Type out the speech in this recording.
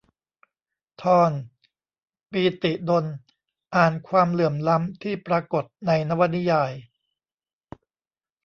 ธร ปีติดล อ่านความเหลื่อมล้ำที่ปรากฏในนวนิยาย